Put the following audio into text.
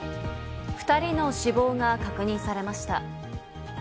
２人の死亡が確認されました。